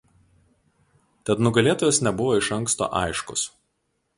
Tad nugalėtojas nebuvo iš anksto aiškus.